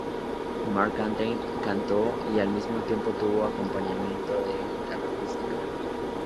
McCartney cantó y al mismo tiempo tuvo un acompañamiento de guitarra acústica.